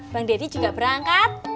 bang daddy juga berangkat